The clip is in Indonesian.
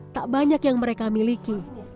tak banyak yang mereka miliki